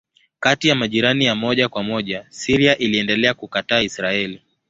Kati ya majirani ya moja kwa moja Syria iliendelea kukataa Israeli.